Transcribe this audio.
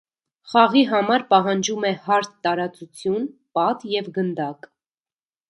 Խաղի համար պահանջում է հարթ տարածություն, պատ և գնդակ։